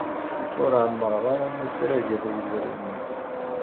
Ur ɛemmṛeɣ ara amasrag iḍ yezrin.